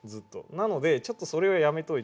なのでちょっとそれはやめといて。